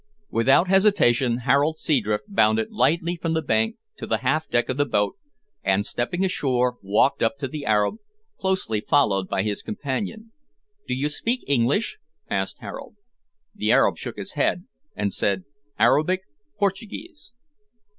Without hesitation Harold Seadrift bounded lightly from the bank to the half deck of the boat, and, stepping ashore, walked up to the Arab, closely followed by his companion. "Do you speak English?" asked Harold. The Arab shook his head and said, "Arabic, Portuguese."